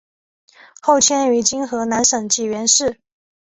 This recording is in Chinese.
后迁于今河南省济源市。